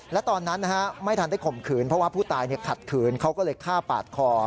และตอนนั้นไม่ทันได้ข่มขืนเพราะว่าผู้ตายขัดขืนเขาก็เลยฆ่าปาดคอ